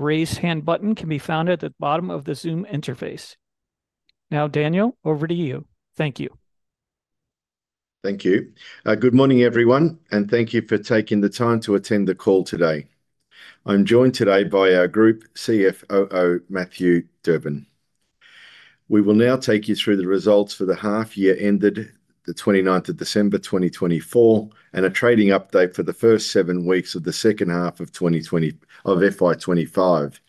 The raise hand button can be found at the bottom of the Zoom interface. Now, Daniel, over to you. Thank you. Thank you. Good morning, everyone, and thank you for taking the time to attend the call today. I'm joined today by our Group CFO, Matthew Durbin. We will now take you through the results for the half-year ended the 29th of December 2024 and a trading update for the first seven weeks of the second half of FY25.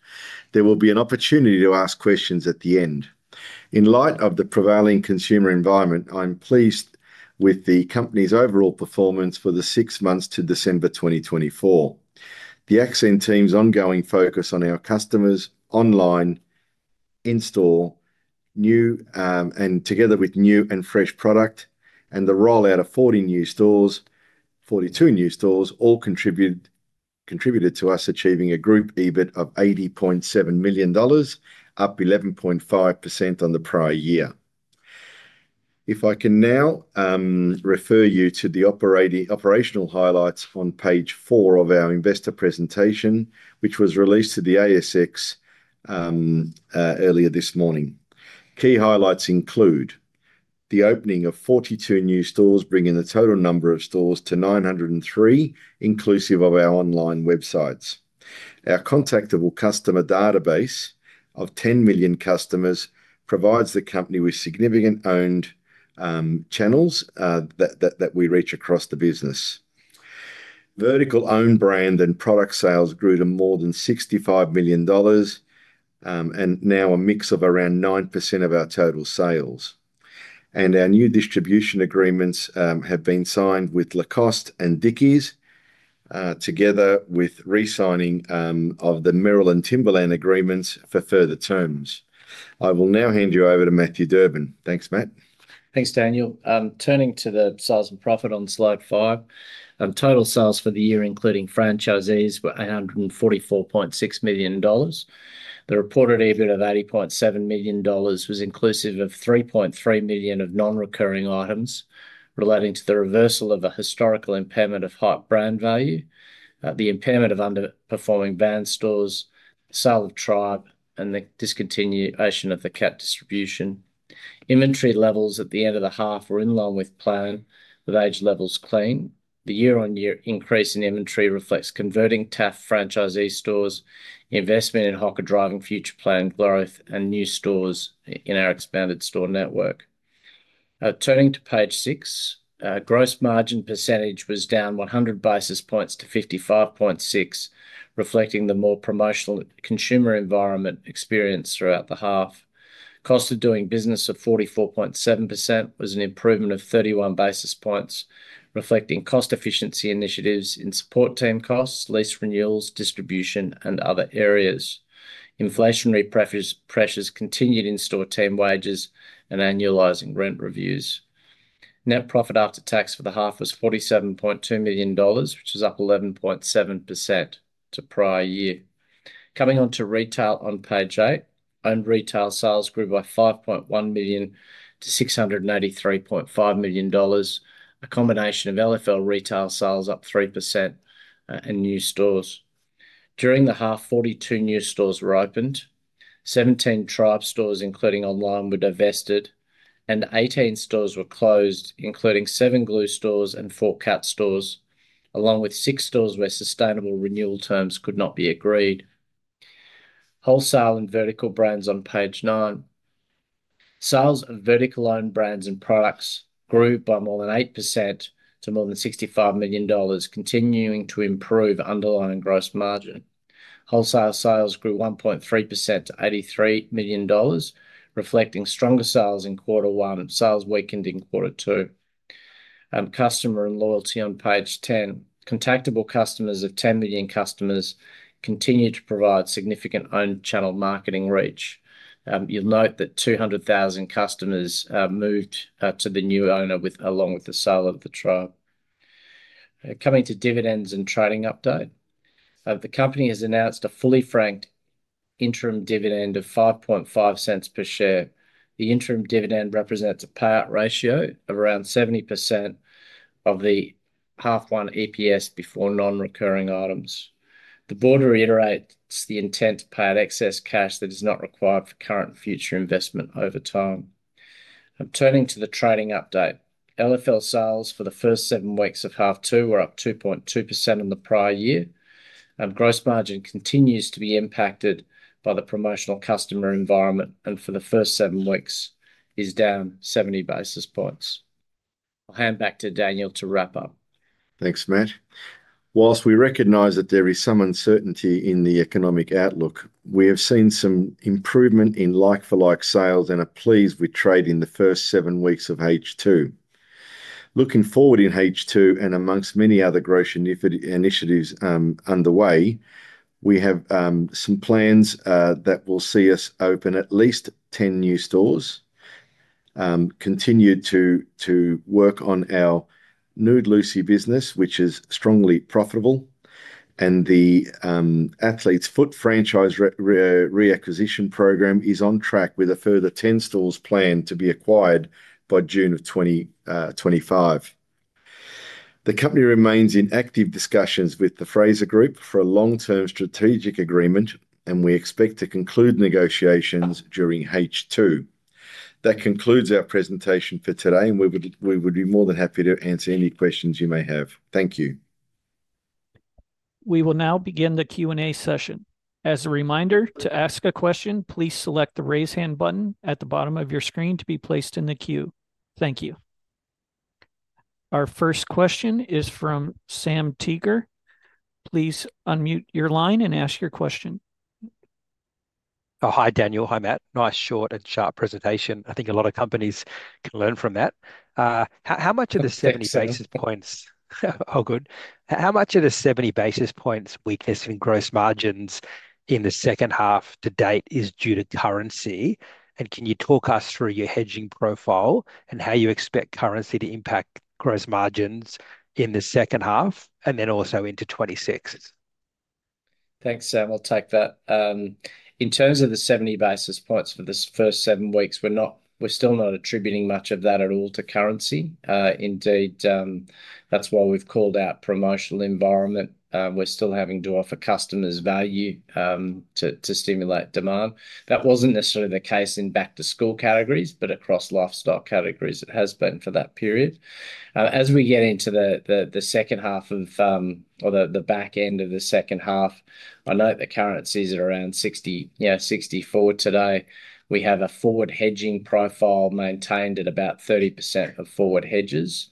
There will be an opportunity to ask questions at the end. In light of the prevailing consumer environment, I'm pleased with the company's overall performance for the six months to December 2024. The Accent team's ongoing focus on our customers online, in-store, and together with new and fresh product, and the rollout of 42 new stores all contributed to us achieving a Group EBIT of 80.7 million dollars, up 11.5% on the prior year. If I can now refer you to the operational highlights on page four of our investor presentation, which was released to the ASX earlier this morning. Key highlights include the opening of 42 new stores, bringing the total number of stores to 903, inclusive of our online websites. Our contact customer database of 10 million customers provides the company with significant owned channels that we reach across the business. Vertical owned brand and product sales grew to more than 65 million dollars, and now a mix of around 9% of our total sales, and our new distribution agreements have been signed with Lacoste and Dickies, together with re-signing of the Merrell Timberland agreements for further terms. I will now hand you over to Matthew Durbin. Thanks, Matt. Thanks, Daniel. Turning to the sales and profit on slide five, total sales for the year, including franchisees, were 844.6 million dollars. The reported EBIT of 80.7 million dollars was inclusive of 3.3 million of non-recurring items relating to the reversal of a historical impairment of Hype brand value, the impairment of underperforming brand stores, the sale of The Trybe, and the discontinuation of the Cat distribution. Inventory levels at the end of the half were in line with plan, with aged levels clean. The year-on-year increase in inventory reflects converting The Athlete’s Foot franchisee stores, investment in Hoka, Dr. Martens and future planned growth, and new stores in our expanded store network. Turning to page six, gross margin percentage was down 100 basis points to 55.6%, reflecting the more promotional consumer environment experienced throughout the half. Cost of doing business of 44.7% was an improvement of 31 basis points, reflecting cost efficiency initiatives in support team costs, lease renewals, distribution, and other areas. Inflationary pressures continued in store team wages and annualizing rent reviews. Net profit after tax for the half was 47.2 million dollars, which was up 11.7% to prior year. Coming on to retail on page eight, owned retail sales grew by 5.1 million to 683.5 million dollars, a combination of LFL retail sales up 3% and new stores. During the half, 42 new stores were opened, 17 Trybe stores including online were divested, and 18 stores were closed, including seven Glue stores and four Cat stores, along with six stores where sustainable renewal terms could not be agreed. Wholesale and vertical brands on page nine, sales of vertical owned brands and products grew by more than 8% to more than 65 million dollars, continuing to improve underlying gross margin. Wholesale sales grew 1.3% to 83 million dollars, reflecting stronger sales in quarter one, sales weakened in quarter two. Customer and loyalty on page ten, contactable customers of 10 million customers continue to provide significant owned channel marketing reach. You'll note that 200,000 customers moved to the new owner along with the sale of the Trybe. Coming to dividends and trading update, the company has announced a fully franked interim dividend of 0.055 per share. The interim dividend represents a payout ratio of around 70% of the half one EPS before non-recurring items. The board reiterates the intent to pay out excess cash that is not required for current and future investment over time. Turning to the trading update, LFL sales for the first seven weeks of half two were up 2.2% on the prior year. Gross margin continues to be impacted by the promotional customer environment, and for the first seven weeks is down 70 basis points. I'll hand back to Daniel to wrap up. Thanks, Matt. While we recognize that there is `some uncertainty in the economic outlook, we have seen some improvement in like-for-like sales and we're pleased with trade in the first seven weeks of H2. Looking forward in H2 and among many other growth initiatives underway, we have some plans that will see us open at least 10 new stores, continue to work on our Nude Lucy business, which is strongly profitable, and the Athlete's Foot franchise reacquisition program is on track with a further 10 stores planned to be acquired by June of 2025. The company remains in active discussions with the Frasers Group for a long-term strategic agreement, and we expect to conclude negotiations during H2. That concludes our presentation for today, and we would be more than happy to answer any questions you may have. Thank you. We will now begin the Q&A session. As a reminder, to ask a question, please select the raise hand button at the bottom of your screen to be placed in the queue. Thank you. Our first question is from Sam Teeger. Please unmute your line and ask your question. Hi, Daniel. Hi, Matt. Nice, short and sharp presentation. I think a lot of companies can learn from that. How much of the 70 basis points? Oh, good. How much of the 70 basis points weakness in gross margins in the second half to date is due to currency? And can you talk us through your hedging profile and how you expect currency to impact gross margins in the second half and then also into 2026? Thanks, Sam. I'll take that. In terms of the 70 basis points for the first seven weeks, we're still not attributing much of that at all to currency. Indeed, that's why we've called out promotional environment. We're still having to offer customers value to stimulate demand. That wasn't necessarily the case in back-to-school categories, but across lifestyle categories it has been for that period. As we get into the second half of, or the back end of the second half, I note that currencies are around 64 today. We have a forward hedging profile maintained at about 30% of forward hedges.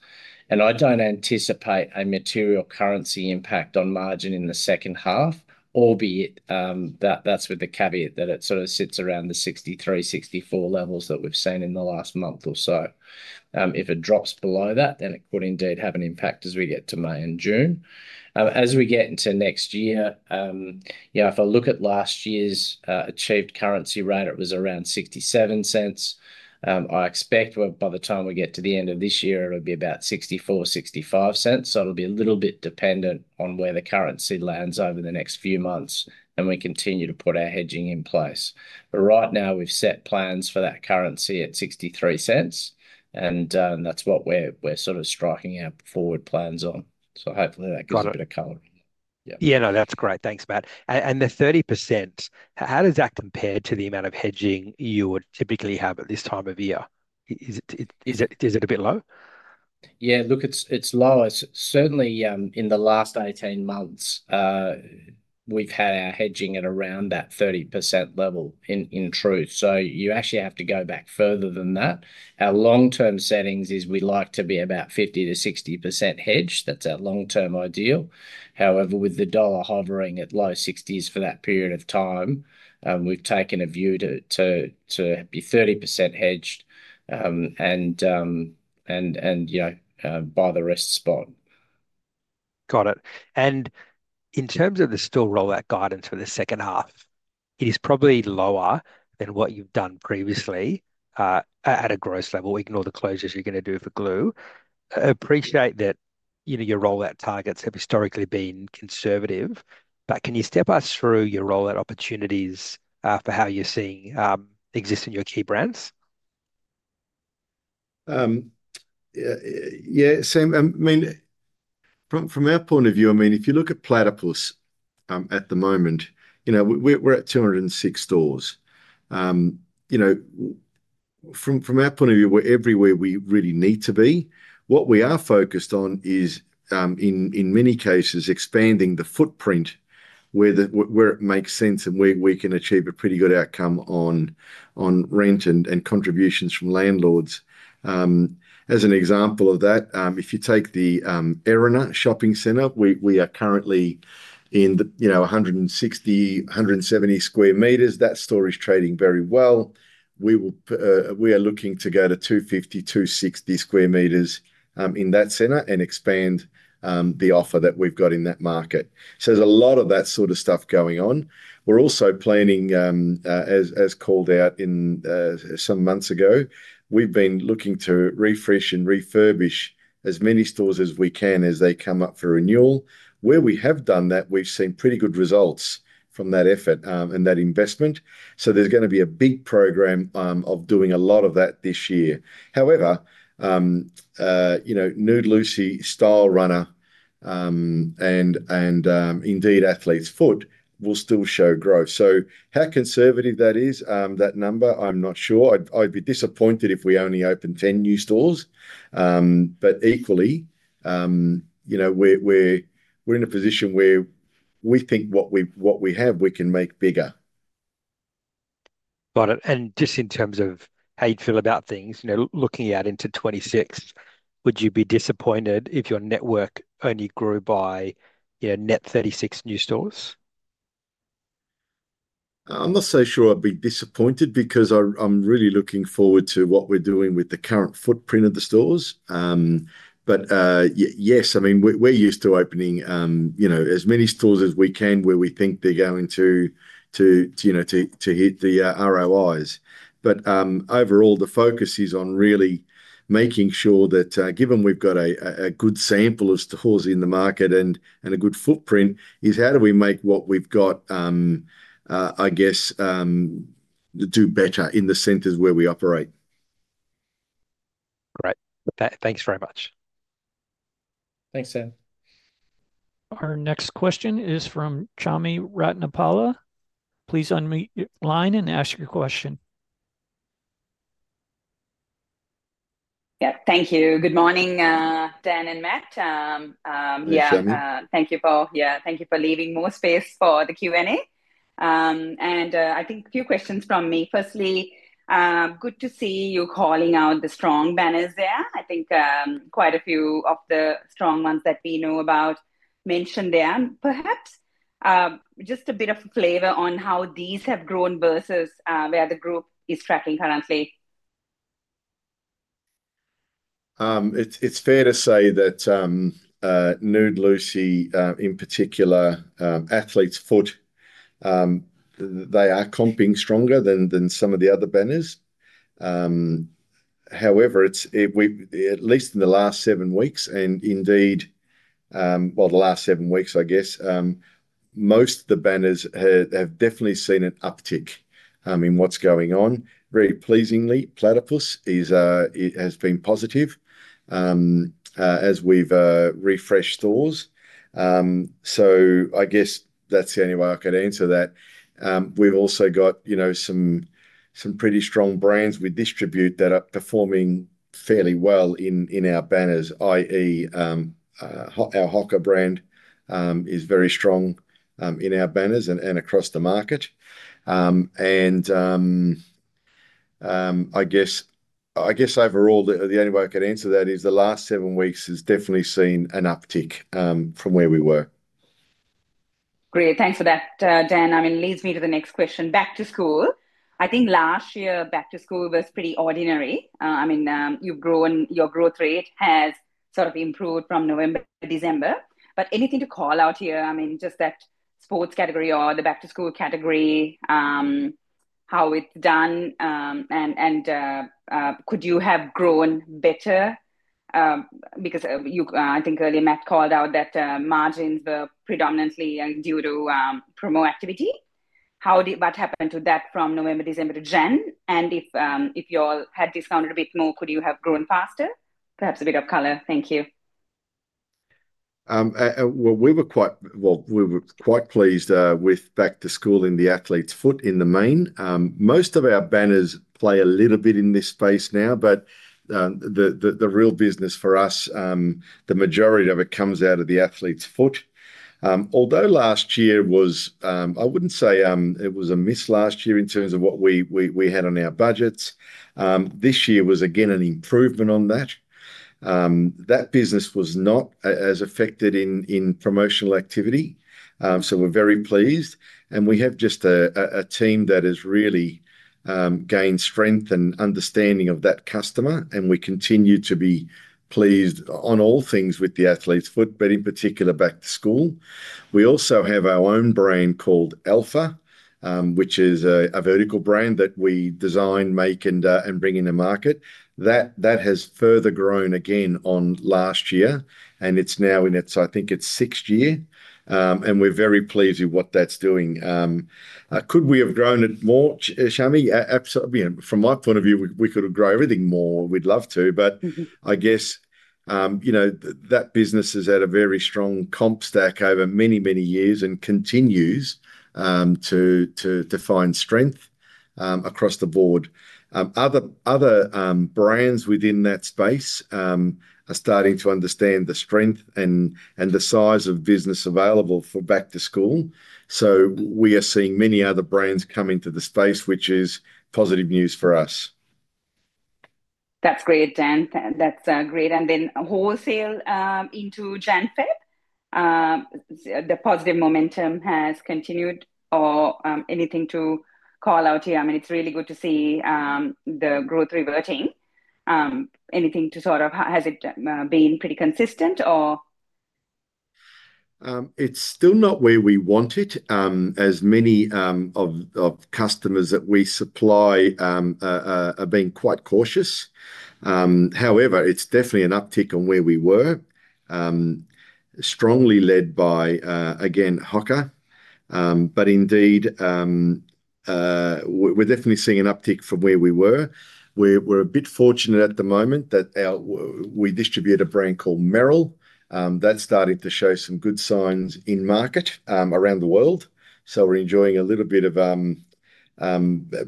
And I don't anticipate a material currency impact on margin in the second half, albeit that's with the caveat that it sort of sits around the 63-64 levels that we've seen in the last month or so. If it drops below that, then it could indeed have an impact as we get to May and June. As we get into next year, if I look at last year's achieved currency rate, it was around $0.67. I expect by the time we get to the end of this year, it'll be about $0.64-$0.65. So it'll be a little bit dependent on where the currency lands over the next few months and we continue to put our hedging in place. But right now, we've set plans for that currency at $0.63, and that's what we're sort of striking our forward plans on. So hopefully that gives a bit of color. Yeah, no, that's great. Thanks, Matt. And the 30%, how does that compare to the amount of hedging you would typically have at this time of year? Is it a bit low? Yeah, look, it's low. Certainly in the last 18 months, we've had our hedging at around that 30% level in truth. So you actually have to go back further than that. Our long-term settings is we'd like to be about 50%-60% hedged. That's our long-term ideal. However, with the dollar hovering at low 60s for that period of time, we've taken a view to be 30% hedged and buy the rest spot. Got it. And in terms of the store rollout guidance for the second half, it is probably lower than what you've done previously at a gross level. Ignore the closures you're going to do for Glue. Appreciate that your rollout targets have historically been conservative, but can you step us through your rollout opportunities for how you're seeing exist in your key brands? Yeah, Sam. I mean, from our point of view, I mean, if you look at Platypus at the moment, we're at 206 stores. From our point of view, we're everywhere we really need to be. What we are focused on is, in many cases, expanding the footprint where it makes sense and where we can achieve a pretty good outcome on rent and contributions from landlords. As an example of that, if you take the Arena Shopping Centre, we are currently in the 160-170 square meters. That store is trading very well. We are looking to go to 250-260 square meters in that center and expand the offer that we've got in that market. So there's a lot of that sort of stuff going on. We're also planning, as called out some months ago, we've been looking to refresh and refurbish as many stores as we can as they come up for renewal. Where we have done that, we've seen pretty good results from that effort and that investment, so there's going to be a big program of doing a lot of that this year. However, Nude Lucy, Stylerunner, and indeed Athlete's Foot will still show growth, so how conservative that is, that number, I'm not sure. I'd be disappointed if we only opened 10 new stores, but equally, we're in a position where we think what we have, we can make bigger. Got it. And just in terms of how you feel about things, looking out into 2026, would you be disappointed if your network only grew by net 36 new stores? I'm not so sure I'd be disappointed because I'm really looking forward to what we're doing with the current footprint of the stores. But yes, I mean, we're used to opening as many stores as we can where we think they're going to hit the ROIs. But overall, the focus is on really making sure that given we've got a good sample of stores in the market and a good footprint, is how do we make what we've got, I guess, do better in the centers where we operate? Great. Thanks very much. Thanks, Sam. Our next question is from Chami Ratnapala. Please unmute your line and ask your question. Yep. Thank you. Good morning, Dan and Matt. Yeah, thank you for leaving more space for the Q&A. And I think a few questions from me. Firstly, good to see you calling out the strong banners there. I think quite a few of the strong ones that we know about mentioned there. Perhaps just a bit of flavor on how these have grown versus where the group is tracking currently. It's fair to say that Nude Lucy, in particular, Athlete's Foot, they are comping stronger than some of the other banners. However, at least in the last seven weeks, and indeed, well, the last seven weeks, I guess, most of the banners have definitely seen an uptick in what's going on. Very pleasingly, Platypus has been positive as we've refreshed stores. So I guess that's the only way I could answer that. We've also got some pretty strong brands we distribute that are performing fairly well in our banners, i.e., our Hoka brand is very strong in our banners and across the market. And I guess overall, the only way I could answer that is the last seven weeks has definitely seen an uptick from where we were. Great. Thanks for that, Dan. I mean, leads me to the next question. Back to school. I think last year back to school was pretty ordinary. I mean, your growth rate has sort of improved from November to December. But anything to call out here, I mean, just that sports category or the back-to-school category, how it's done, and could you have grown better? Because I think earlier Matt called out that margins were predominantly due to promo activity. What happened to that from November, December to January? And if you all had discounted a bit more, could you have grown faster? Perhaps a bit of color. Thank you. We were quite pleased with back-to-school in the Athlete’s Foot in the main. Most of our banners play a little bit in this space now, but the real business for us, the majority of it comes out of the Athlete’s Foot. Although last year was, I wouldn't say it was a miss last year in terms of what we had on our budgets, this year was again an improvement on that. That business was not as affected in promotional activity, so we're very pleased, and we have just a team that has really gained strength and understanding of that customer, and we continue to be pleased on all things with the Athlete’s Foot, but in particular back-to-school. We also have our own brand called Alpha, which is a vertical brand that we design, make, and bring into market. That has further grown again on last year. It's now in its, I think it's sixth year. We're very pleased with what that's doing. Could we have grown it more, Chami? Absolutely. From my point of view, we could have grown everything more. We'd love to. I guess that business is at a very strong comp stack over many, many years and continues to find strength across the board. Other brands within that space are starting to understand the strength and the size of business available for back-to-school. We are seeing many other brands come into the space, which is positive news for us. That's great, Dan. That's great. And then wholesale into Jan/Feb, the positive momentum has continued. Or anything to call out here? I mean, it's really good to see the growth reverting. Anything to sort of, has it been pretty consistent or? It's still not where we want it. As many of our customers that we supply are being quite cautious. However, it's definitely an uptick on where we were, strongly led by, again, Hoka. But indeed, we're definitely seeing an uptick from where we were. We're a bit fortunate at the moment that we distribute a brand called Merrell. That's starting to show some good signs in the market around the world. So we're enjoying a little bit of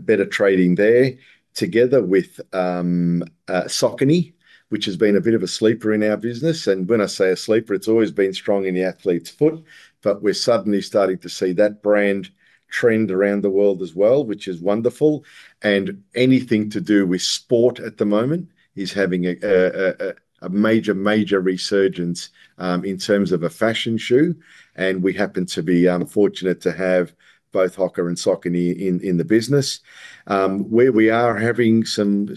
better trading there together with Saucony, which has been a bit of a sleeper in our business. And when I say a sleeper, it's always been strong in The Athlete’s Foot, but we're suddenly starting to see that brand trend around the world as well, which is wonderful, and anything to do with sport at the moment is having a major, major resurgence in terms of a fashion shoe. We happen to be fortunate to have both Hoka and Saucony in the business. Where we are having some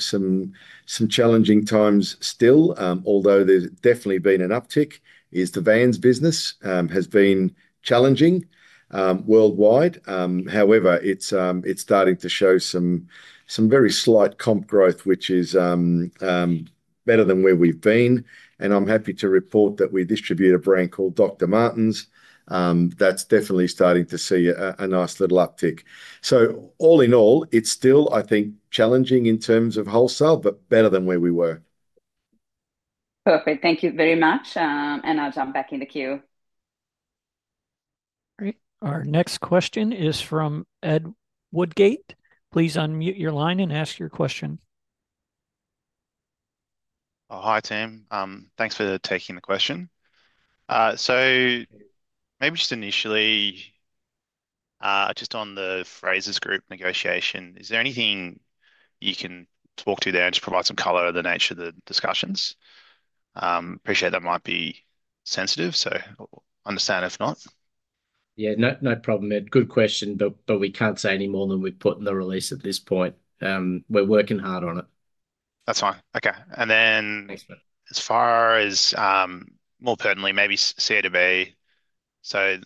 challenging times still, although there's definitely been an uptick, is the Vans business has been challenging worldwide. However, it's starting to show some very slight comp growth, which is better than where we've been. I'm happy to report that we distribute a brand called Dr. Martens. That's definitely starting to see a nice little uptick. All in all, it's still, I think, challenging in terms of wholesale, but better than where we were. Perfect. Thank you very much, and I'll jump back in the queue. Great. Our next question is from Ed Woodgate. Please unmute your line and ask your question. Hi, Tim. Thanks for taking the question. So maybe just initially, just on the Frasers Group negotiation, is there anything you can talk about there and just provide some color on the nature of the discussions? I appreciate that it might be sensitive, so I understand if not. Yeah, no problem, Ed. Good question, but we can't say any more than we've put in the release at this point. We're working hard on it. That's fine. Okay. And then as far as more pertinently, maybe CODB, so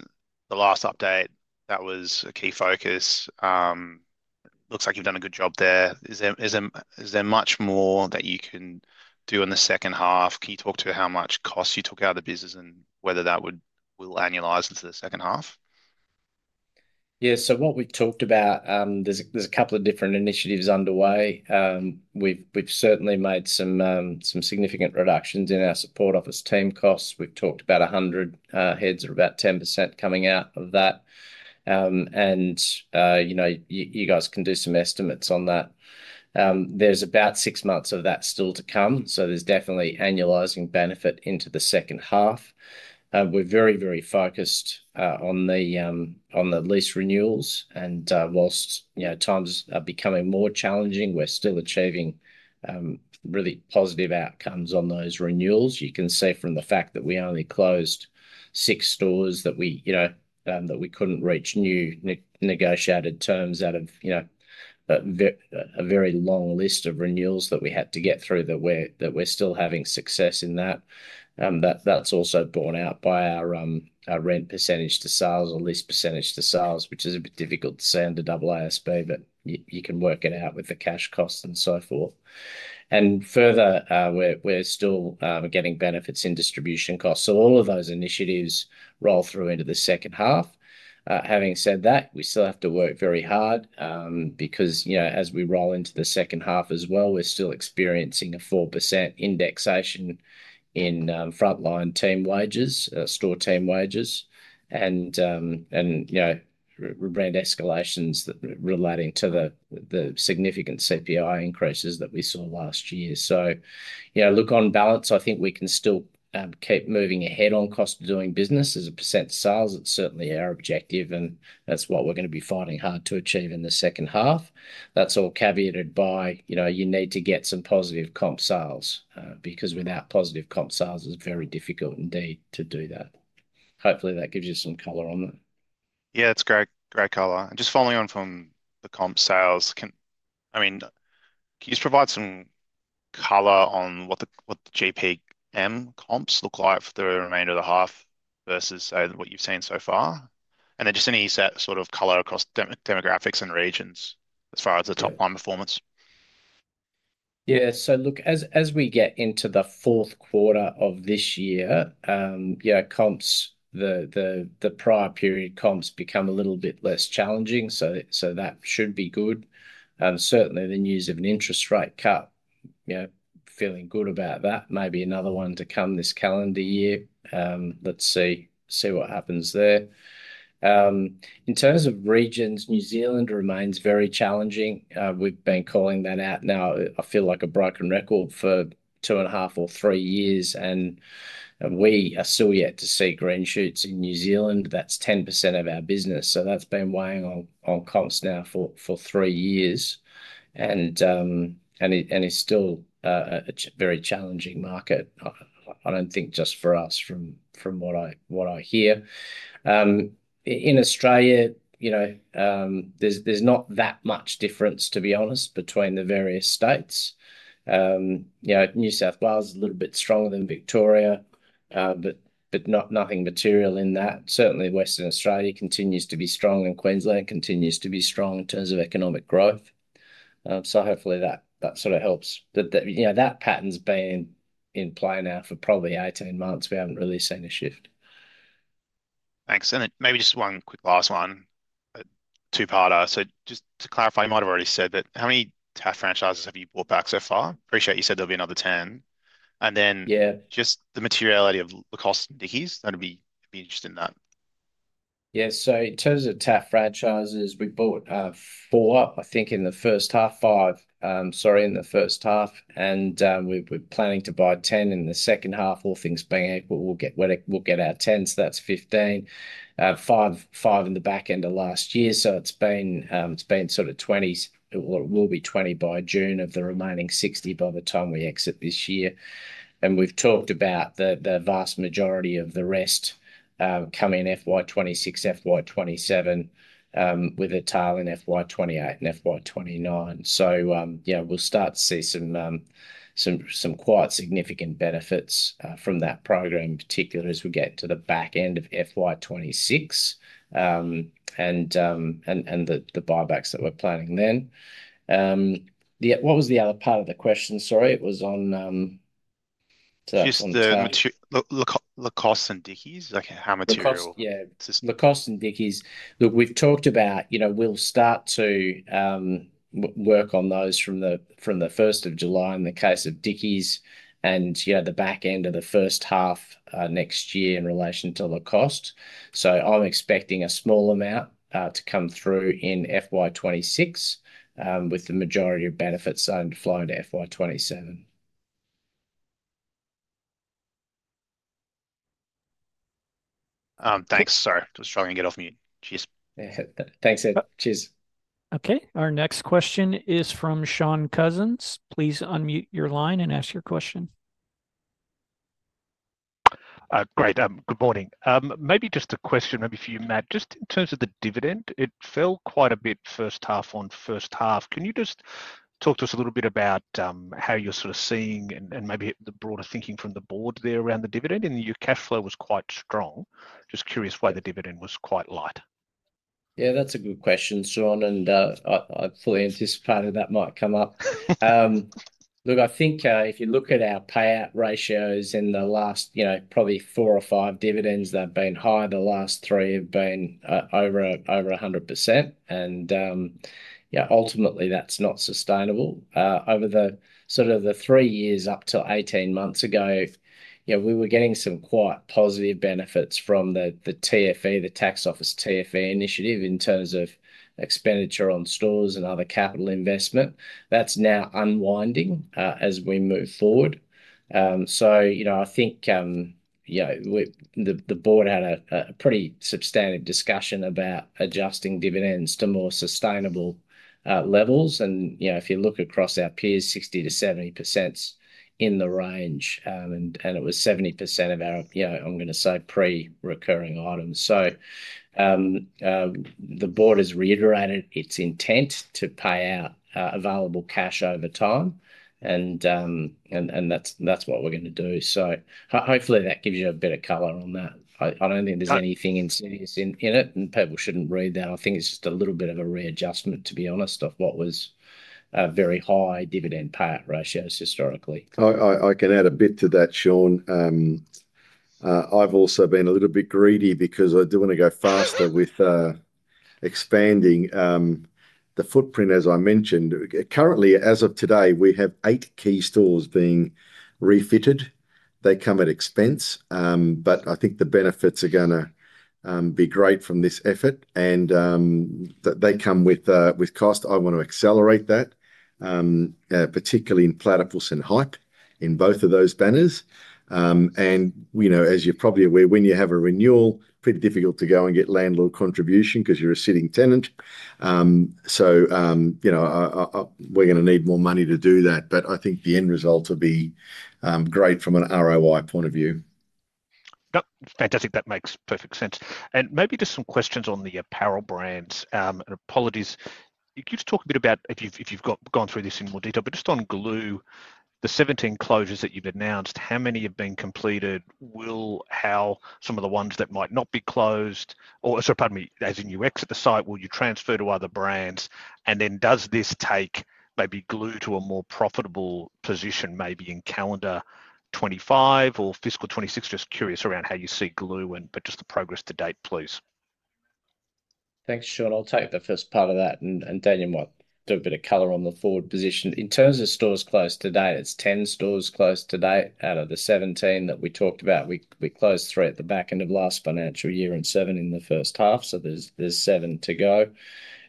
the last update, that was a key focus. Looks like you've done a good job there. Is there much more that you can do in the second half? Can you talk to how much cost you took out of the business and whether that will annualize into the second half? Yeah. So what we talked about, there's a couple of different initiatives underway. We've certainly made some significant reductions in our support office team costs. We've talked about 100 heads or about 10% coming out of that. And you guys can do some estimates on that. There's about six months of that still to come. So there's definitely annualizing benefit into the second half. We're very, very focused on the lease renewals. And while times are becoming more challenging, we're still achieving really positive outcomes on those renewals. You can see from the fact that we only closed six stores that we couldn't reach new negotiated terms, out of a very long list of renewals that we had to get through, that we're still having success in that. That's also borne out by our rent percentage to sales or lease percentage to sales, which is a bit difficult to say under AASB, but you can work it out with the cash costs and so forth. And further, we're still getting benefits in distribution costs. So all of those initiatives roll through into the second half. Having said that, we still have to work very hard because as we roll into the second half as well, we're still experiencing a 4% indexation in frontline team wages, store team wages, and brand escalations relating to the significant CPI increases that we saw last year. So look on balance, I think we can still keep moving ahead on cost of doing business to 1% of sales. It's certainly our objective, and that's what we're going to be fighting hard to achieve in the second half. That's all caveated by you need to get some positive comp sales because without positive comp sales, it's very difficult indeed to do that. Hopefully, that gives you some color on that. Yeah, it's great color. And just following on from the comp sales, I mean, can you just provide some color on what the GPM comps look like for the remainder of the half versus what you've seen so far? And then just any sort of color across demographics and regions as far as the top-line performance? Yeah. So look, as we get into the fourth quarter of this year, comps, the prior period comps become a little bit less challenging. So that should be good. Certainly, the news of an interest rate cut, feeling good about that, maybe another one to come this calendar year. Let's see what happens there. In terms of regions, New Zealand remains very challenging. We've been calling that out now. I feel like a broken record for two and a half or three years. And we are still yet to see green shoots in New Zealand. That's 10% of our business. So that's been weighing on comps now for three years. And it's still a very challenging market, I don't think, just for us from what I hear. In Australia, there's not that much difference, to be honest, between the various states. New South Wales is a little bit stronger than Victoria, but nothing material in that. Certainly, Western Australia continues to be strong. And Queensland continues to be strong in terms of economic growth. So hopefully, that sort of helps. That pattern's been in play now for probably 18 months. We haven't really seen a shift. Thanks. And maybe just one quick last one, two-parter. So just to clarify, you might have already said that how many TAF franchises have you bought back so far? Appreciate you said there'll be another 10. And then just the materiality of the cost in Dickies that'd be interesting in that. Yeah. So in terms of TAF franchises, we bought four, I think, in the first half, five, sorry, in the first half. And we're planning to buy 10 in the second half, all things being equal. We'll get our 10, so that's 15. Five in the back end of last year. So it's been sort of 20, or it will be 20 by June of the remaining 60 by the time we exit this year. And we've talked about the vast majority of the rest coming in FY26, FY27, with a tail in FY28 and FY29. So we'll start to see some quite significant benefits from that program, particularly as we get to the back end of FY26 and the buybacks that we're planning then. What was the other part of the question? Sorry, it was on. Just the cost in Dickies, how material? Yeah. The cost in Dickies. Look, we've talked about we'll start to work on those from the 1st of July in the case of Dickies and the back end of the first half next year in relation to the cost. So I'm expecting a small amount to come through in FY26 with the majority of benefits flowing to FY27. Thanks. Sorry. Just trying to get off mute. Cheers. Thanks, Ed. Cheers. Okay. Our next question is from Shaun Cousins. Please unmute your line and ask your question. Great. Good morning. Maybe just a question, maybe for you, Matt, just in terms of the dividend, it fell quite a bit first half on first half. Can you just talk to us a little bit about how you're sort of seeing and maybe the broader thinking from the board there around the dividend? And your cash flow was quite strong. Just curious why the dividend was quite light. Yeah, that's a good question, Sean. And I fully anticipated that might come up. Look, I think if you look at our payout ratios in the last probably four or five dividends, they've been high. The last three have been over 100%. And ultimately, that's not sustainable. Over sort of the three years up to 18 months ago, we were getting some quite positive benefits from the TFA, the Tax Office TFA initiative in terms of expenditure on stores and other capital investment. That's now unwinding as we move forward. So I think the board had a pretty substantive discussion about adjusting dividends to more sustainable levels. And if you look across our peers, 60%-70% is in the range. And it was 70% of our, I'm going to say, pre-recurring items. So the board has reiterated its intent to pay out available cash over time. And that's what we're going to do. So hopefully, that gives you a bit of color on that. I don't think there's anything insidious in it. And people shouldn't read that. I think it's just a little bit of a readjustment, to be honest, of what was very high dividend payout ratios historically. I can add a bit to that, Sean. I've also been a little bit greedy because I do want to go faster with expanding the footprint, as I mentioned. Currently, as of today, we have eight key stores being refitted. They come at expense. But I think the benefits are going to be great from this effort, and they come with cost. I want to accelerate that, particularly in Platypus and Hype in both of those banners, and as you're probably aware, when you have a renewal, it's pretty difficult to go and get landlord contribution because you're a sitting tenant. So we're going to need more money to do that. But I think the end result will be great from an ROI point of view. Yep. Fantastic. That makes perfect sense. And maybe just some questions on the apparel brands. And apologies. Could you just talk a bit about, if you've gone through this in more detail, but just on Glue, the 17 closures that you've announced, how many have been completed? Well, how some of the ones that might not be closed? Or sorry, pardon me, as in you exit the site, will you transfer to other brands? And then does this take maybe Glue to a more profitable position, maybe in calendar 2025 or fiscal 2026? Just curious around how you see Glue, but just the progress to date, please. Thanks, Shaun. I'll take the first part of that. And Daniel might do a bit of color on the forward position. In terms of stores closed to date, it's 10 stores closed to date out of the 17 that we talked about. We closed three at the back end of last financial year and seven in the first half. So there's seven to go.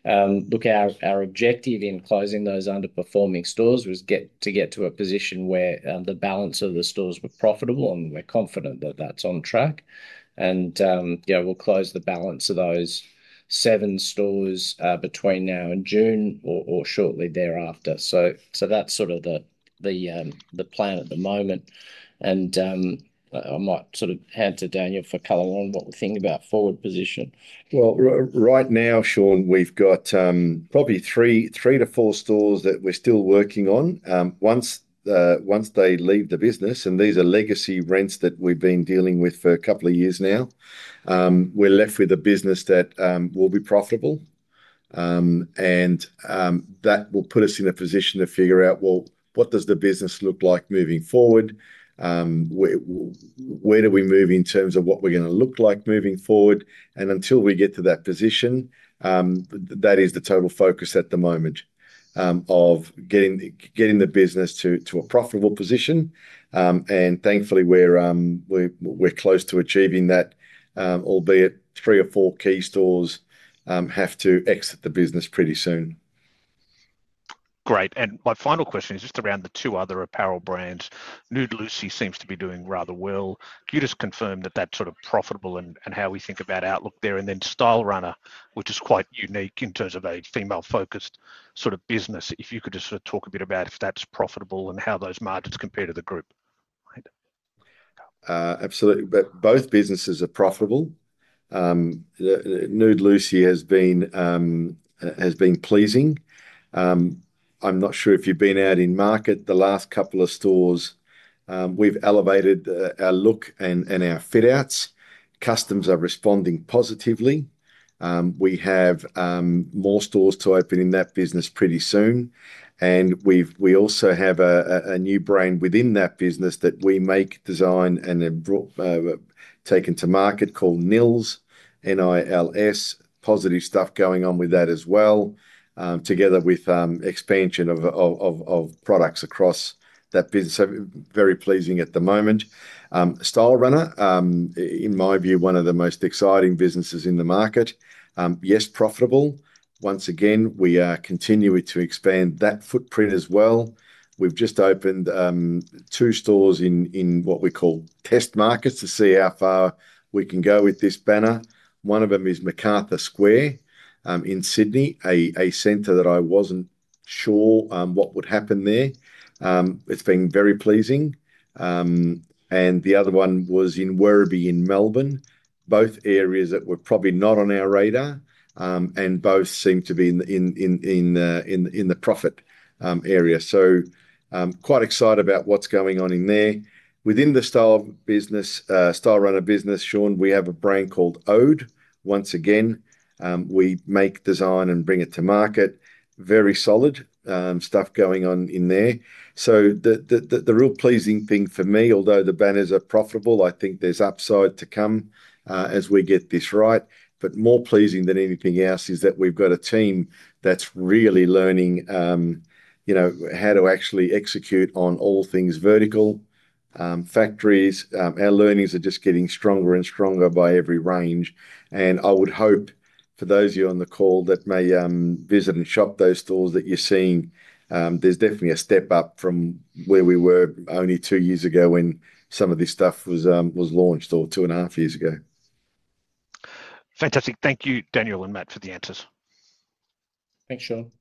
Look, our objective in closing those underperforming stores was to get to a position where the balance of the stores were profitable, and we're confident that that's on track. And we'll close the balance of those seven stores between now and June or shortly thereafter. So that's sort of the plan at the moment. And I might sort of hand to Daniel for color on what we think about forward position, Right now, Shaun, we've got probably three to four stores that we're still working on. Once they leave the business, and these are legacy rents that we've been dealing with for a couple of years now, we're left with a business that will be profitable. That will put us in a position to figure out, well, what does the business look like moving forward? Where do we move in terms of what we're going to look like moving forward? Until we get to that position, that is the total focus at the moment of getting the business to a profitable position. Thankfully, we're close to achieving that, albeit three or four key stores have to exit the business pretty soon. Great. And my final question is just around the two other apparel brands. Nude Lucy seems to be doing rather well. Can you just confirm that that's sort of profitable and how we think about outlook there? And then Stylerunner, which is quite unique in terms of a female-focused sort of business, if you could just sort of talk a bit about if that's profitable and how those margins compare to the group? Absolutely. Both businesses are profitable. Nude Lucy has been pleasing. I'm not sure if you've been out in the market the last couple of stores. We've elevated our look and our fit-outs. Customers are responding positively. We have more stores to open in that business pretty soon. And we also have a new brand within that business that we make, design, and have taken to market called Nils, N-I-L-S. Positive stuff going on with that as well, together with expansion of products across that business. So very pleasing at the moment. Stylerunner, in my view, one of the most exciting businesses in the market. Yes, profitable. Once again, we are continuing to expand that footprint as well. We've just opened two stores in what we call test markets to see how far we can go with this banner. One of them is Macarthur Square in Sydney, a center that I wasn't sure what would happen there. It's been very pleasing, and the other one was in Werribee in Melbourne, both areas that were probably not on our radar, and both seem to be in the profit area, so quite excited about what's going on in there. Within the Stylerunner business, Sean, we have a brand called Ode. Once again, we make design and bring it to market. Very solid stuff going on in there, so the real pleasing thing for me, although the banners are profitable, I think there's upside to come as we get this right, but more pleasing than anything else is that we've got a team that's really learning how to actually execute on all things vertical, factories. Our learnings are just getting stronger and stronger by every range. I would hope for those of you on the call that may visit and shop those stores that you're seeing. There's definitely a step up from where we were only two years ago when some of this stuff was launched or two and a half years ago. Fantastic. Thank you, Daniel and Matt, for the answers. Thanks, Sean.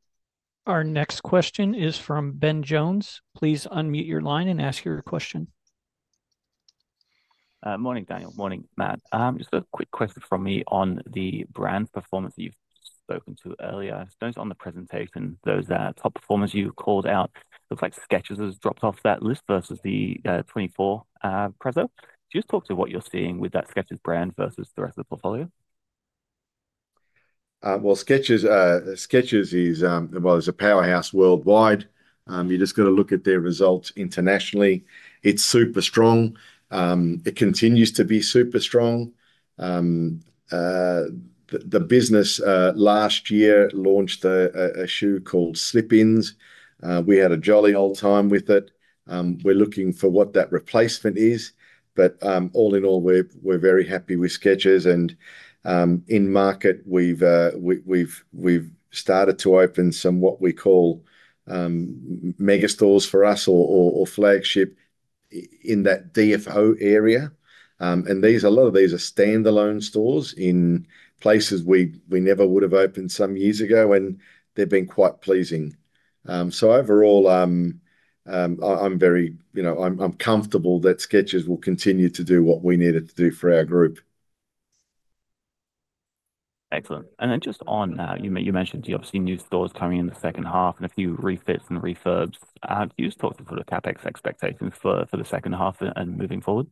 Our next question is from Ben Jones. Please unmute your line and ask your question. Morning, Daniel. Morning, Matt. Just a quick question from me on the brand performance that you've spoken to earlier. Those on the presentation, those top performers you called out, looks like Skechers has dropped off that list versus the 2024 presentation. Can you just talk to what you're seeing with that Skechers brand versus the rest of the portfolio? Sketchers is, well, it's a powerhouse worldwide. You're just going to look at their results internationally. It's super strong. It continues to be super strong. The business last year launched a shoe called Slip-ins. We had a jolly old time with it. We're looking for what that replacement is. But all in all, we're very happy with Skechers. And in market, we've started to open some what we call mega stores for us or flagship in that DFO area. And a lot of these are standalone stores in places we never would have opened some years ago, and they've been quite pleasing. Overall, I'm very comfortable that Skechers will continue to do what we need it to do for our group. Excellent. And then just on that, you mentioned you've seen new stores coming in the second half and a few refits and refurbs. Can you just talk to sort of CapEx expectations for the second half and moving forward?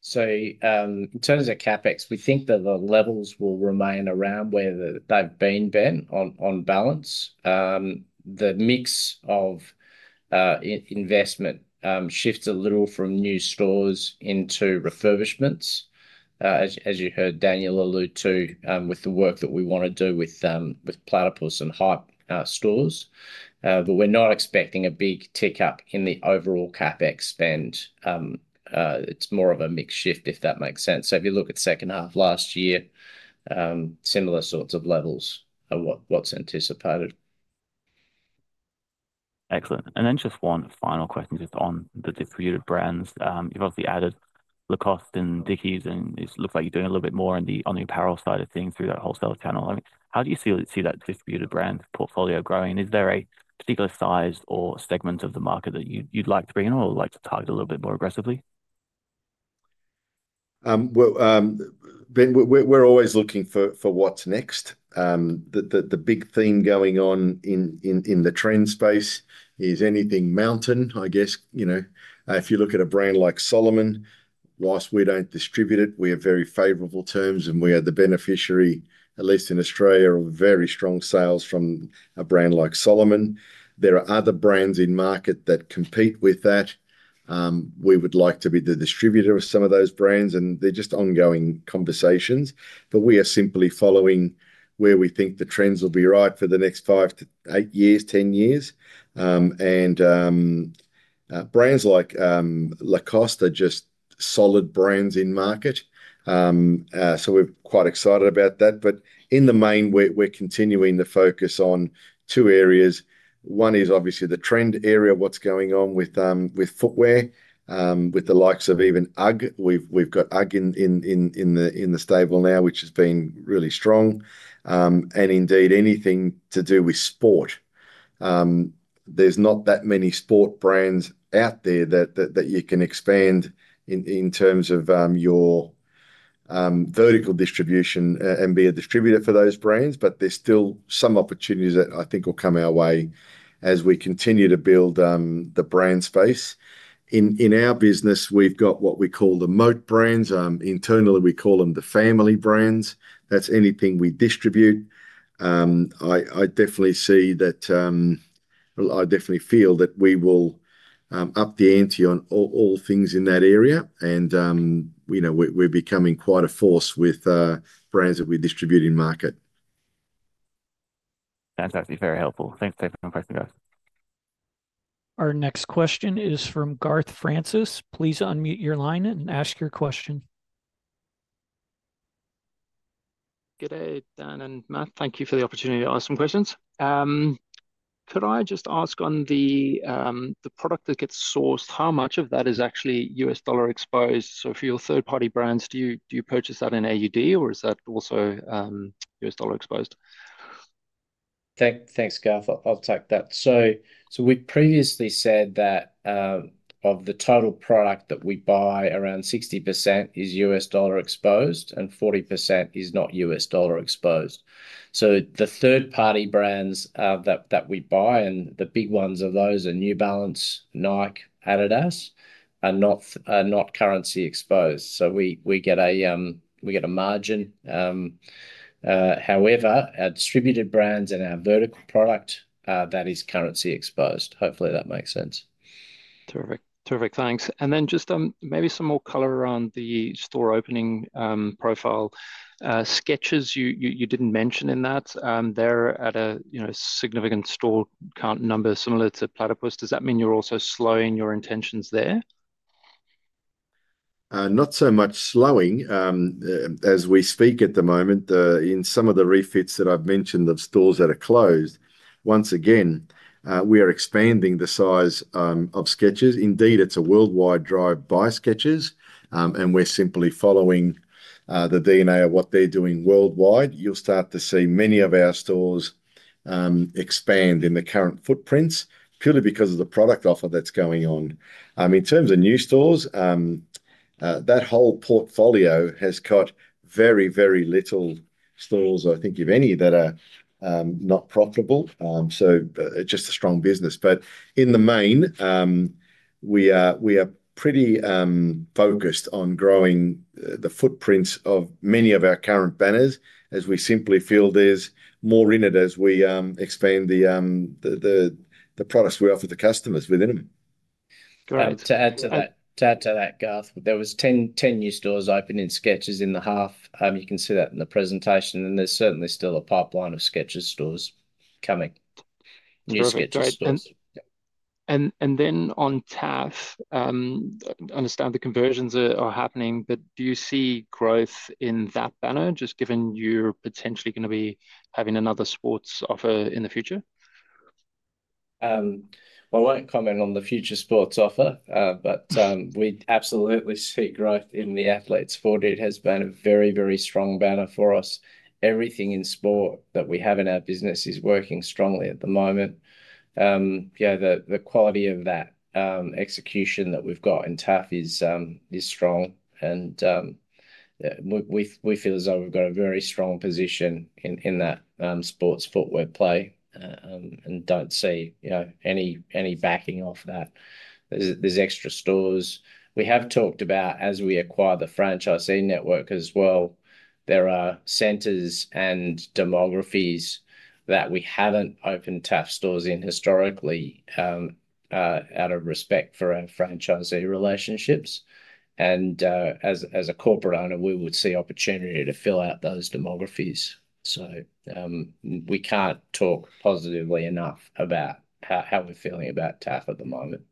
So in terms of CapEx, we think that the levels will remain around where they've been, on balance. The mix of investment shifts a little from new stores into refurbishments, as you heard Daniel allude to with the work that we want to do with Platypus and Hype stores. But we're not expecting a big tick up in the overall CapEx spend. It's more of a mixed shift, if that makes sense. So if you look at second half last year, similar sorts of levels are what's anticipated. Excellent. And then just one final question just on the distributed brands. You've obviously added Lacoste and Dickies, and it looks like you're doing a little bit more on the apparel side of things through that wholesale channel. How do you see that distributed brand portfolio growing? Is there a particular size or segment of the market that you'd like to bring in or would like to target a little bit more aggressively? We're always looking for what's next. The big theme going on in the trend space is anything mountain, I guess. If you look at a brand like Salomon, whilst we don't distribute it, we have very favorable terms, and we are the beneficiary, at least in Australia, of very strong sales from a brand like Salomon. There are other brands in market that compete with that. We would like to be the distributor of some of those brands, and they're just ongoing conversations. But we are simply following where we think the trends will be right for the next five to eight years, ten years. And brands like Lacoste are just solid brands in market. So we're quite excited about that. But in the main, we're continuing to focus on two areas. One is obviously the trend area, what's going on with footwear, with the likes of even UGG. We've got UGG in the stable now, which has been really strong, and indeed anything to do with sport. There's not that many sport brands out there that you can expand in terms of your vertical distribution and be a distributor for those brands, but there's still some opportunities that I think will come our way as we continue to build the brand space. In our business, we've got what we call the moat brands. Internally, we call them the family brands. That's anything we distribute. I definitely see that I definitely feel that we will up the ante on all things in that area, and we're becoming quite a force with brands that we distribute in market. Fantastic. Very helpful. Thanks for taking the question, guys. Our next question is from Garth Francis. Please unmute your line and ask your question. G'day, Dan and Matt. Thank you for the opportunity to ask some questions. Could I just ask on the product that gets sourced, how much of that is actually US dollar exposed? So for your third-party brands, do you purchase that in AUD, or is that also US dollar exposed? Thanks, Garth. I'll take that. So we previously said that of the total product that we buy, around 60% is US dollar exposed, and 40% is not US dollar exposed. So the third-party brands that we buy, and the big ones of those are New Balance, Nike, Adidas, are not currency exposed. So we get a margin. However, our distributed brands and our vertical product, that is currency exposed. Hopefully, that makes sense. Terrific. Terrific. Thanks. And then just maybe some more color around the store opening profile. Skechers, you didn't mention in that. They're at a significant store count number similar to Platypus'. Does that mean you're also slowing your intentions there? Not so much slowing as we speak at the moment. In some of the refits that I've mentioned of stores that are closed, once again, we are expanding the size of Skechers. Indeed, it's a worldwide drive by Skechers, and we're simply following the DNA of what they're doing worldwide. You'll start to see many of our stores expand in the current footprints purely because of the product offer that's going on. In terms of new stores, that whole portfolio has got very, very little stores, I think, if any, that are not profitable. So it's just a strong business. But in the main, we are pretty focused on growing the footprints of many of our current banners as we simply feel there's more in it as we expand the products we offer the customers within them. To add to that, Garth, there was 10 new stores open in Skechers in the half. You can see that in the presentation. And there's certainly still a pipeline of Skechers stores coming. New Skechers stores. And then on The Athlete's Foot, I understand the conversions are happening, but do you see growth in that banner, just given you're potentially going to be having another sports offer in the future? I won't comment on the future sports offer, but we absolutely see growth in The Athlete's Foot has been a very, very strong banner for us. Everything in sport that we have in our business is working strongly at the moment. The quality of that execution that we've got in TAF is strong. And we feel as though we've got a very strong position in that sports footwear play and don't see any backing off that. There's extra stores. We have talked about, as we acquire the franchisee network as well, there are centers and demographics that we haven't opened TAF stores in historically out of respect for our franchisee relationships. And as a corporate owner, we would see opportunity to fill out those demographics. We can't talk positively enough about how we're feeling about TAF at the moment.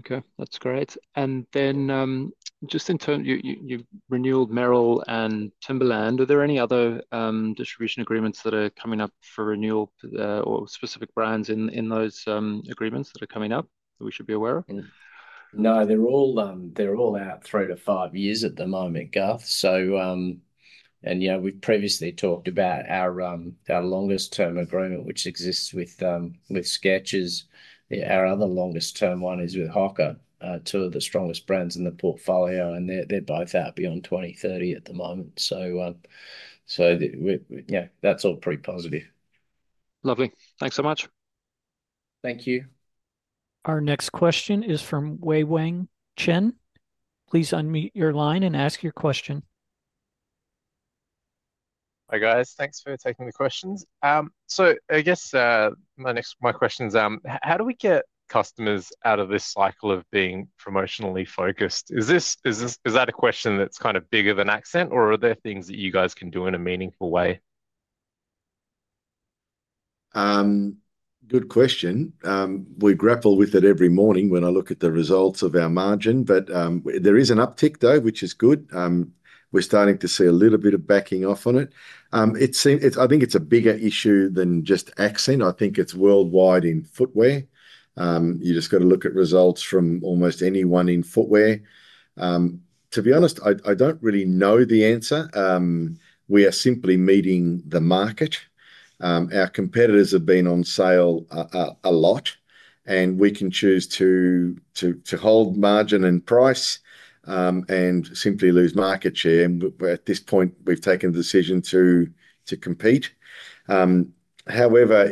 Okay. That's great. And then just in terms you've renewed Merrell and Timberland. Are there any other distribution agreements that are coming up for renewal or specific brands in those agreements that are coming up that we should be aware of? No, they're all out three to five years at the moment, Garth, and we've previously talked about our longest-term agreement, which exists with Skechers. Our other longest-term one is with Hoka, two of the strongest brands in the portfolio, and they're both out beyond 2030 at the moment, so that's all pretty positive. Lovely. Thanks so much. Thank you. Our next question is from Wei-Weng Chen. Please unmute your line and ask your question. Hi guys. Thanks for taking the questions. I guess my question is, how do we get customers out of this cycle of being promotionally focused? Is that a question that's kind of big for Accent, or are there things that you guys can do in a meaningful way? Good question. We grapple with it every morning when I look at the results of our margin. But there is an uptick, though, which is good. We're starting to see a little bit of backing off on it. I think it's a bigger issue than just Accent. I think it's worldwide in footwear. You just got to look at results from almost anyone in footwear. To be honest, I don't really know the answer. We are simply meeting the market. Our competitors have been on sale a lot, and we can choose to hold margin and price and simply lose market share. And at this point, we've taken the decision to compete. However,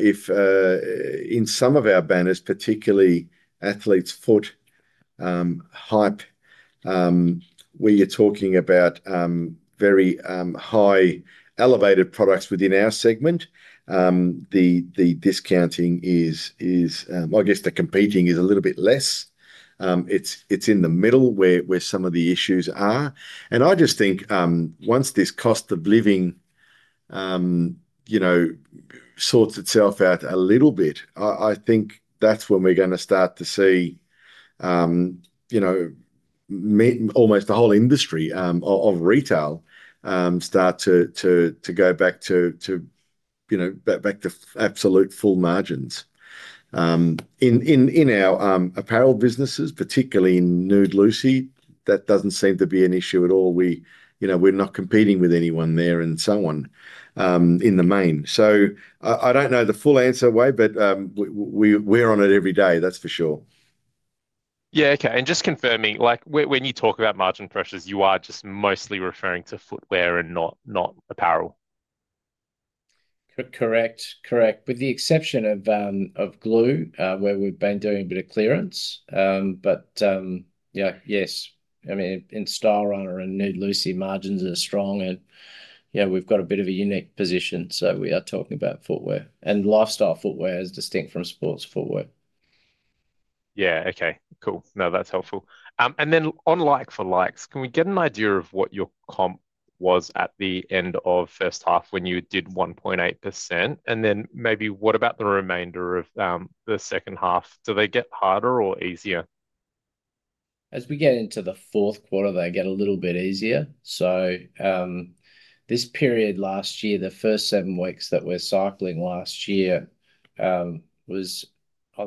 in some of our banners, particularly Athlete's Foot, Hype, where you're talking about very high elevated products within our segment, the discounting is, I guess, the competing is a little bit less. It's in the middle where some of the issues are. And I just think once this cost of living sorts itself out a little bit, I think that's when we're going to start to see almost the whole industry of retail start to go back to absolute full margins. In our apparel businesses, particularly in Nude Lucy, that doesn't seem to be an issue at all. We're not competing with anyone there and so on in the main. So I don't know the full answer, Wei, but we're on it every day, that's for sure. Yeah. Okay. And just confirming, when you talk about margin pressures, you are just mostly referring to footwear and not apparel? Correct. Correct. With the exception of glue, where we've been doing a bit of clearance. But yes, I mean, in Stylerunner and Nude Lucy, margins are strong. And we've got a bit of a unique position. So we are talking about footwear. And lifestyle footwear is distinct from sports footwear. No, that's helpful. And then like-for-likes, can we get an idea of what your comp was at the end of first half when you did 1.8%? And then maybe what about the remainder of the second half? Do they get harder or easier? As we get into the fourth quarter, they get a little bit easier. So this period last year, the first seven weeks that we're cycling last year was either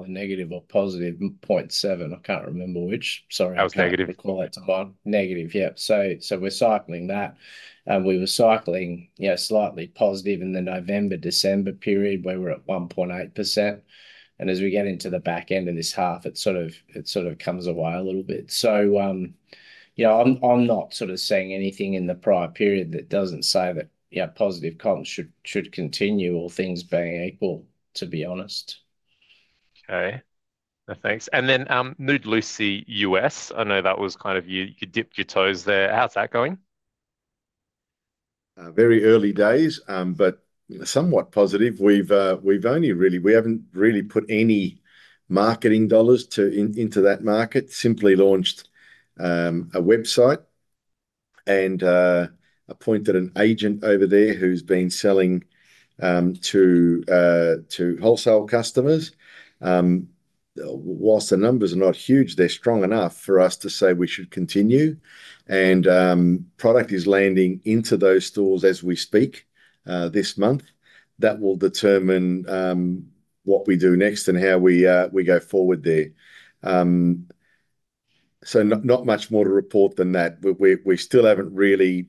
negative or positive, 0.7. I can't remember which. Sorry. That was negative. I call it time. Negative. Yeah. So we're cycling that. We were cycling slightly positive in the November, December period where we're at 1.8%. And as we get into the back end of this half, it sort of comes away a little bit. So I'm not sort of seeing anything in the prior period that doesn't say that positive comps should continue or things being equal, to be honest. Okay. Thanks. And then Nude Lucy US. I know that was kind of you dipped your toes there. How's that going? Very early days, but somewhat positive. We haven't really put any marketing dollars into that market. Simply launched a website and appointed an agent over there who's been selling to wholesale customers. While the numbers are not huge, they're strong enough for us to say we should continue. And product is landing into those stores as we speak this month. That will determine what we do next and how we go forward there. So not much more to report than that. We still haven't really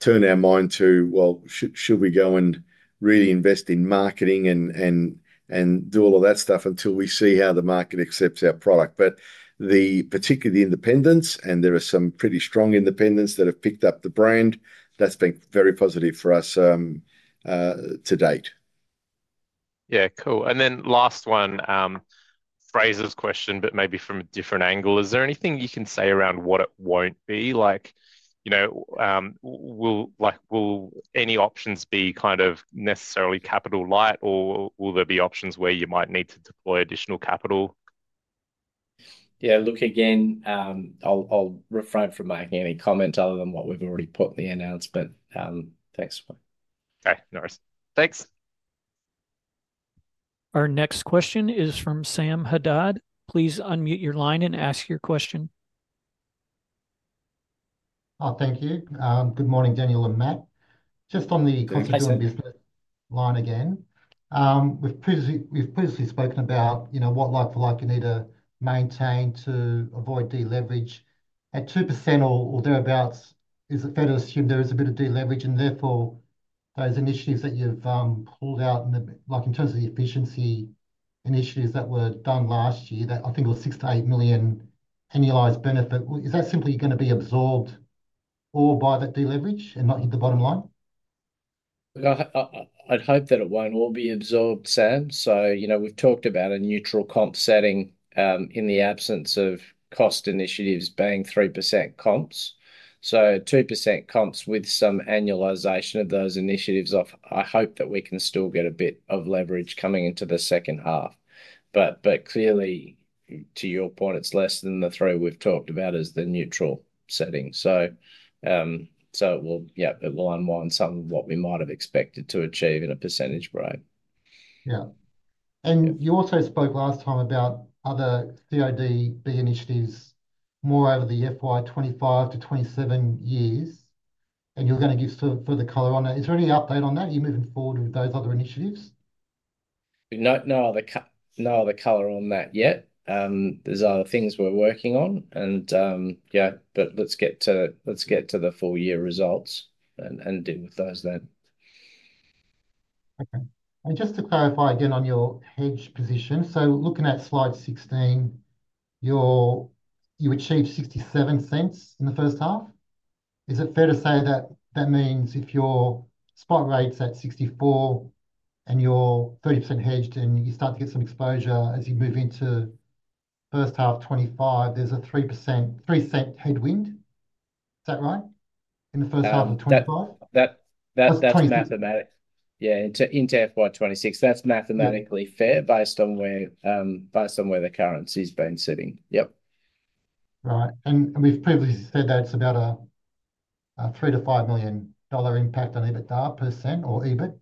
turned our mind to, well, should we go and really invest in marketing and do all of that stuff until we see how the market accepts our product. But particularly the independents, and there are some pretty strong independents that have picked up the brand. That's been very positive for us to date. Yeah. Cool. And then last one, Frasers' question, but maybe from a different angle. Is there anything you can say around what it won't be? Will any options be kind of necessarily capital light, or will there be options where you might need to deploy additional capital? Yeah. Look, again, I'll refrain from making any comment other than what we've already put in the announcement. Thanks. Okay. No worries. Thanks. Our next question is from Sam Haddad. Please unmute your line and ask your question. Thank you. Good morning, Daniel and Matt. Just on the constituent business line again. We've previously spoken about what like-for-like you need to maintain to avoid deleverage. At 2% or thereabouts, is it fair to assume there is a bit of deleverage? And therefore, those initiatives that you've pulled out, in terms of the efficiency initiatives that were done last year, I think it was six to eight million annualized benefit. Is that simply going to be absorbed all by that deleverage and not hit the bottom line? I'd hope that it won't all be absorbed, Sam. We've talked about a neutral comp setting in the absence of cost initiatives being 3% comps. 2% comps with some annualization of those initiatives off, I hope that we can still get a bit of leverage coming into the second half. Clearly, to your point, it's less than the three we've talked about as the neutral setting. Yeah, it will unwind some of what we might have expected to achieve in a percentage gain. Yeah. And you also spoke last time about other CODB initiatives more over the FY 25 to 27 years, and you're going to give further color on that. Is there any update on that? Are you moving forward with those other initiatives? No. No other color on that yet. Those are things we're working on. And yeah, but let's get to the full year results and deal with those then. Okay. And just to clarify again on your hedge position, so looking at slide 16, you achieved $0.67 in the first half. Is it fair to say that that means if your spot rate's at $0.64 and you're 30% hedged and you start to get some exposure as you move into first half 2025, there's a 3% headwind? Is that right? In the first half of 2025? That's mathematical. Yeah. Into FY 2026, that's mathematically fair based on where the currency's been sitting. Yep. Right. And we've previously said that it's about a 3 million-5 million dollar impact on EBITDA % or EBIT?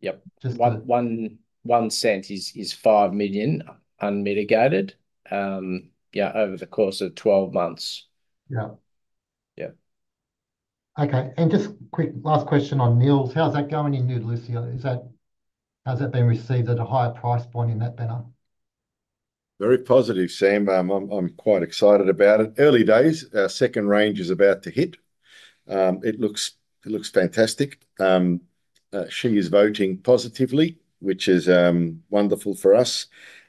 Yep. One cent is 5 million unmitigated over the course of 12 months. Yeah. Yep. Okay. And just quick last question on Nils. How's that going in Nude Lucy? How's that been received at a higher price point in that banner? Very positive, Sam. I'm quite excited about it. Early days. Our second range is about to hit. It looks fantastic. She is voting positively, which is wonderful for us,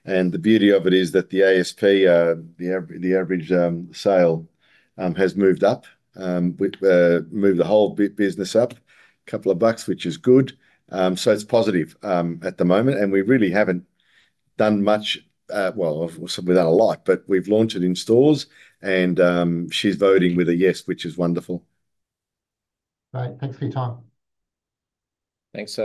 and the beauty of it is that the ASP, the average sale, has moved up, moved the whole business up a couple of bucks, which is good, so it's positive at the moment, and we really haven't done much, well, we've done a lot, but we've launched it in stores, and she's voting with a yes, which is wonderful. Great. Thanks for your time. Thanks.